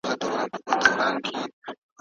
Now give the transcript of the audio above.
ایا ملي بڼوال شین ممیز صادروي؟